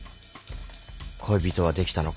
恋人はできたのか？